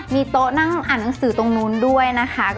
มีโต๊ะนั่งอ่านหนังสือตรงนู้นด้วยนะคะ